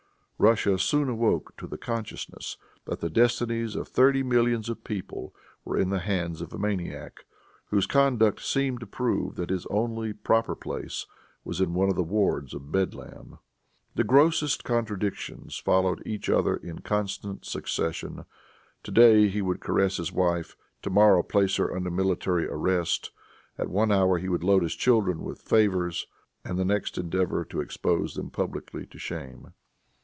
Russia soon awoke to the consciousness that the destinies of thirty millions of people were in the hands of a maniac, whose conduct seemed to prove that his only proper place was in one of the wards of Bedlam. The grossest contradictions followed each other in constant succession. Today he would caress his wife, to morrow place her under military arrest. At one hour he would load his children with favors, and the next endeavor to expose them publicly to shame.